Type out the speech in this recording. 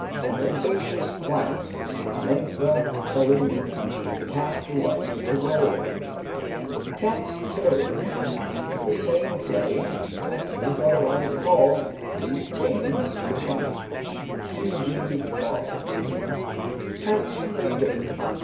_ An herbaceous plant (Mentha felina), that cats delight to roll on. Cat's Carriage. The same play that is otherwise called the "King's Cushion," q.v. (Loth.). _Cat's Cradle.